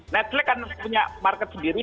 netflix kan punya market sendiri